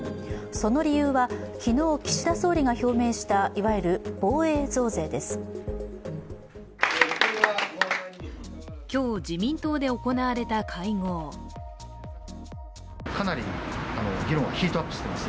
その理由は、昨日、岸田総理が表明した、いわゆる防衛増税です。